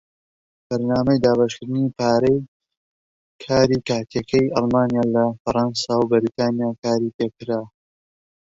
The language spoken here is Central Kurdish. بەرنامەی دابەشکردنی پارەی کاری کاتیەکەی ئەڵمانیا لە فەڕەنسا و بەریتانیا کاری پێکرا.